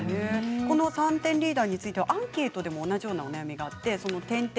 ３点リーダーについてはアンケートでも同じようなお悩みがありました。